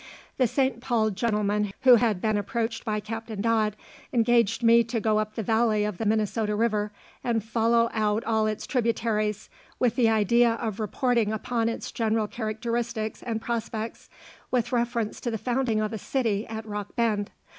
The St. Paul gentlemen who had been approached by Captain Dodd engaged me to go up the valley of the Minnesota river, and follow out all its tributaries, with the idea of reporting upon its general characteristics and prospects, with reference to the founding of a city at Rock Bend.